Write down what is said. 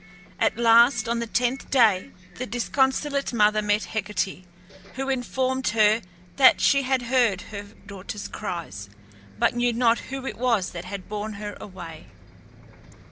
At last, on the tenth day, the disconsolate mother met Hecate, who informed her that she had heard her daughter's cries, but knew not who it was that had borne her away.